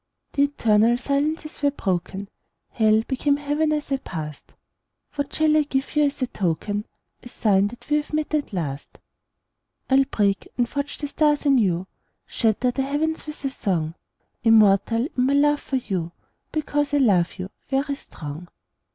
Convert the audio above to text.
The eternal silences were broken; Hell became Heaven as I passed. What shall I give you as a token, A sign that we have met, at last? I'll break and forge the stars anew, Shatter the heavens with a song; Immortal in my love for you, Because I love you, very strong.